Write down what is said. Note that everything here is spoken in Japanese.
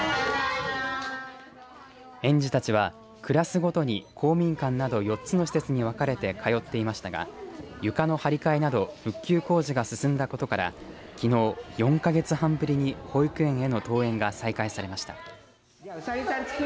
園児たちは、クラスごとに公民館など４つの施設に分かれて通っていましたが床の張り替えなど復旧工事が進んだことからきのう４か月半ぶりに保育園への登園が再開されました。